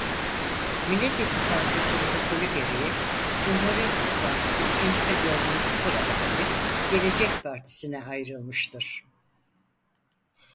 Millet İttifakı protokolü gereği Cumhuriyet Halk Partisi ikinci ve dördüncü sıra adayı Gelecek Partisi'ne ayrılmıştır.